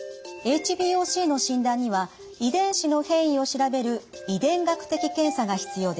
ＨＢＯＣの診断には遺伝子の変異を調べる遺伝学的検査が必要です。